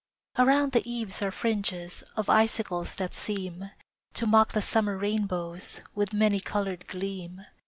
Around the eaves are fringes Of icicles that seem To mock the summer rainbows With many colored gleam.